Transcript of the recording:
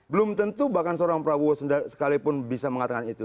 belum tentu bahkan seorang prabowo sekalipun bisa mengatakan itu